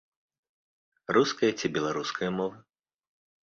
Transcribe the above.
Руская ці беларуская мова?